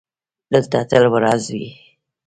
دلته تل ورځ وي.